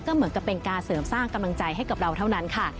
ก็เหมือนกับเป็นการเสริมสร้างกำลังใจให้กับเราเท่านั้นค่ะ